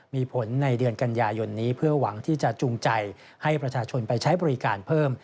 มีผลในเดือนกันยายนนี้เพื่อหวังที่จะจูงใจให้ประชาชนไปใช้บริการเพิ่ม